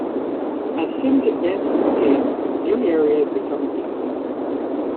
As Sims advance through the game, new areas become accessible.